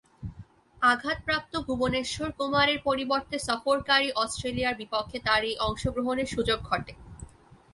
আঘাতপ্রাপ্ত ভুবনেশ্বর কুমারের পরিবর্তে সফরকারী অস্ট্রেলিয়ার বিপক্ষে তার এই অংশগ্রহণের সুযোগ ঘটে।